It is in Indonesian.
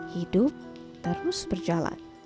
hidup terus berjalan